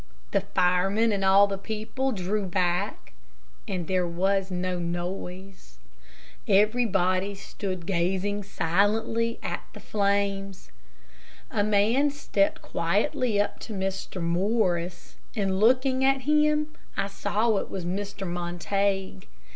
The firemen and all the people drew back, and there was no noise. Everybody stood gazing silently at the flames. A man stepped quietly up to Mr. Morris, and looking at him, I saw that it was Mr. Montague.